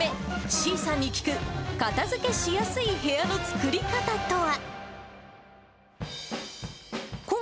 ｓｅａさんに聞く、片づけしやすい部屋の作り方とは。